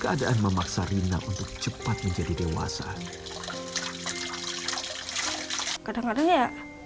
ada ungkaran untuk membquesirnya